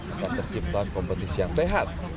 akan terciptaan kompetisi yang sehat